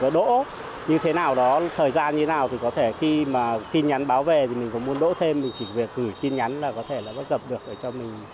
đỗ thêm mình chỉ việc gửi tin nhắn là có thể là gặp được ở trong mình